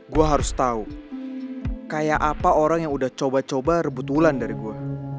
gue harus tahu kayak apa orang yang udah coba coba rebut wulan dari gue